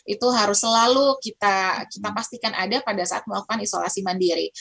itu harus selalu kita pastikan ada pada saat melakukan isolasi mandiri